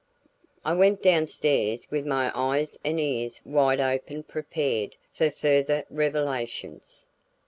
I went down stairs with my eyes and ears wide open prepared for further revelations.